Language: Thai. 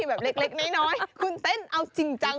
แบบเล็กน้อยคุณเต้นเอาจริงจัง